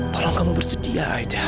tolong kamu bersedia aida